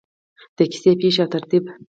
د کیسې پیښې او ترتیب: